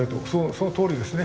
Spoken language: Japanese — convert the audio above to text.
そのとおりですね。